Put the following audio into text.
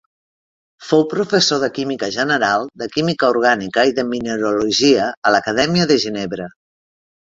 Fou professor de química general, de química orgànica i de mineralogia a l'Acadèmia de Ginebra.